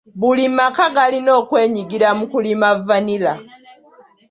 Buli maka galina okwenyigira mu kulima vanilla.